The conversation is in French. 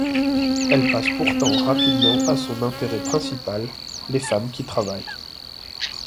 Elle passe pourtant rapidement à son intérêt principal, les femmes qui travaillent.